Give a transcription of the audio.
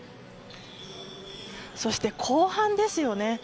そして後半ですよね。